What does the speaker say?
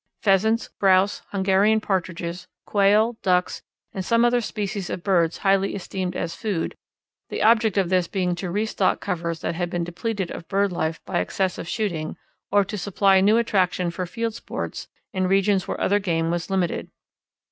Pheasants, grouse, Hungarian Partridges, Quail, Ducks, and some other species of birds highly esteemed as food, the object of this being to restock covers that had been depleted of bird life by excessive shooting, or to supply new attraction for field sports in regions where other game was limited.